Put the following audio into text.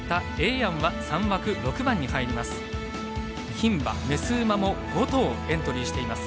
牝馬、雌馬も５頭エントリーしています。